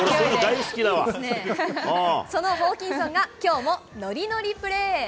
そのホーキンソンが、きょうもノリノリプレー。